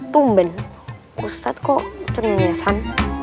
tumben ustadz kok cemnyesan